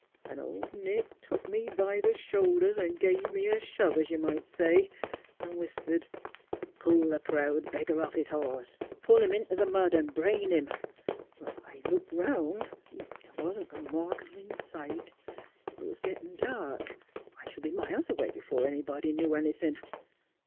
And Old Nick took me by the shoulders, and gave me a shove, as you may say, and whispered, "Pull the proud beggar off his horse ; pull him into the mud, and brain him." I looked round. There wasn't a mortal in sight. It was gettin' dark. I should be miles away before anybody knew anything.